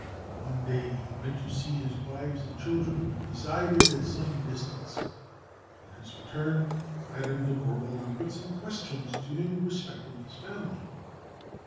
One day he went to see his wives and children, who resided at some distance; on his return, Madame de Bourboulon put some questions to him respecting his family.